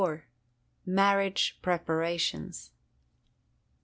MARRIAGE PREPARATIONS.